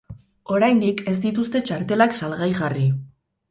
Oraindik ez dituzte txartelak salgai jarri.